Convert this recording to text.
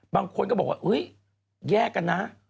บางคนก็บอกว่าแยกกันนะ